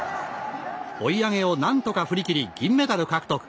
追い上げを何とか振り切り銀メダル獲得。